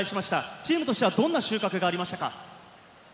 チームとしては、どんな収穫がありましたか？